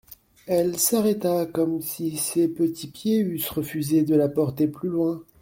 Elle s'arrêta comme si ses petits pieds eussent refusé de la porter plus loin.